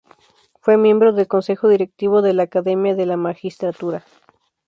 Fue miembro del Consejo Directivo de la Academia de la Magistratura.